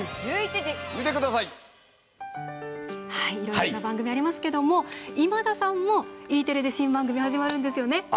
いろんな番組ありますけども今田さんもＥテレで新番組始まるんですよね。